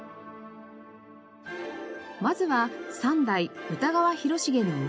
まずは三代歌川広重の浮世絵。